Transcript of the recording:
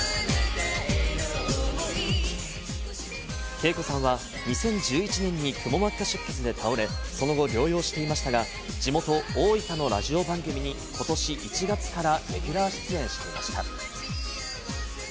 ＫＥＩＫＯさんは２０１１年にくも膜下出血で倒れ、その後、療養していましたが、地元・大分のラジオ番組にことし１月からレギュラー出演していました。